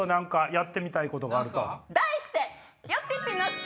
題して。